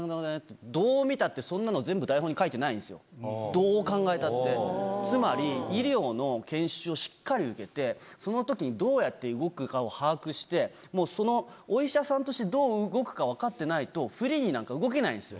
どう見たってそんなの。どう考えたってつまり医療の研修をしっかり受けてそのときにどうやって動くかを把握してもうそのお医者さんとしてどう動くか分かってないとフリーになんか動けないんですよ。